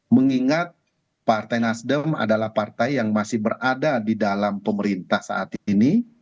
mengingat partai nasdem adalah partai yang masih berada di dalam pemerintah saat ini